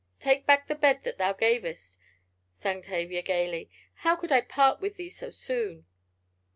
"Take back the bed that thou gavest!" sang Tavia, gaily. "How could I part with thee so soon!"